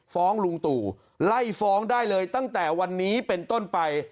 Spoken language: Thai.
ลุงตู่ไล่ฟ้องได้เลยตั้งแต่วันนี้เป็นต้นไป